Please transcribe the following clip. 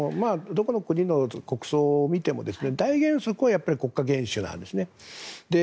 どこの国の国葬を見ても大原則は国家元首なんですね。